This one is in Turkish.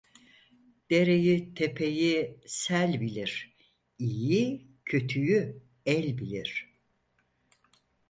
Dereyi, tepeyi sel bilir; iyiyi kötüyü el bilir.